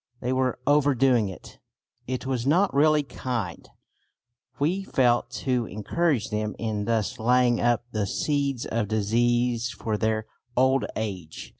They were overdoing it. It was not really kind, we felt, to encourage them in thus laying up the seeds of disease for their old age.